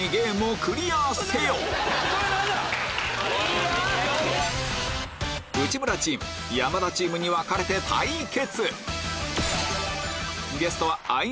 ルールは１つ内村チーム山田チームに分かれて対決